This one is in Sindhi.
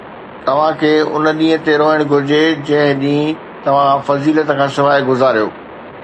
توهان کي ان ڏينهن تي روئڻ گهرجي جنهن ڏينهن توهان فضيلت کان سواءِ گذاريو